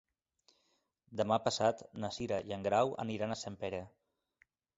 Demà passat na Cira i en Grau aniran a Sempere.